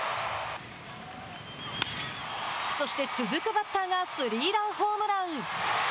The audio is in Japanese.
そして続くバッターがスリーランホームラン。